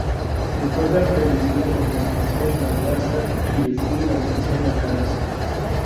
Se encuentra precedida por la Estación Las Garzas y le sigue la Estación Alcaraz.